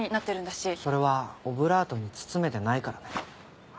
それはオブラートに包めてないからね。